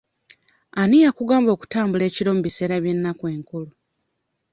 Ani yakugamba okutambula ekiro mu biseera by'ennaku enkulu?